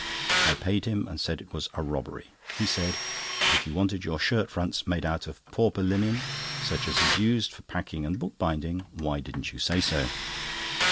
I paid him, and said it was a robbery. He said: "If you wanted your shirt fronts made out of pauper linen, such as is used for packing and bookbinding, why didn't you say so?"